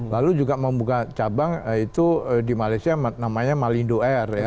lalu juga membuka cabang itu di malaysia namanya malindo air